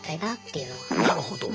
なるほど。